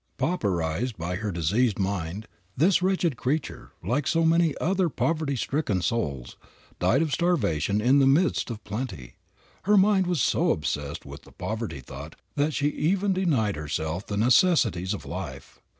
Pauperized by her diseased mind, this wretched creature, like many another poverty stricken soul, died of starvation in the midst of plenty. Her mind was so obsessed with the poverty thought that she even denied herself the necessities of life.